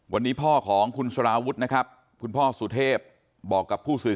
วันนี้พ่อของคุณสลาวุฒินะครับคุณพ่อสุเทพบอกกับผู้สื่อ